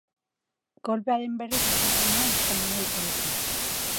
Kolpearen berri jaso zuenean Espainiara itzuli zen.